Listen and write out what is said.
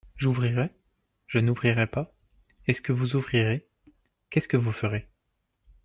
J'ouvrirai, je n'ouvrirai pas, est-ce que vous ouvrirez, qu'est-ce que vous ferez.